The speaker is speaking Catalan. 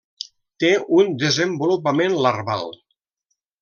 Té un desenvolupament larval.